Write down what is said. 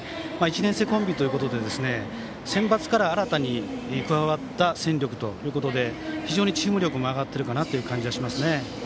１年生コンビということでセンバツから新たに加わった戦力ということで非常にチーム力も上がっている感じがしますね。